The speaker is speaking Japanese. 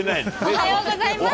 おはようございます。